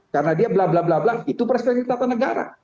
karena dia bla bla bla bla itu perspektif tata negara